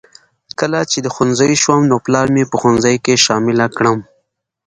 کله چې د ښوونځي شوم نو پلار مې په ښوونځي کې شامله کړم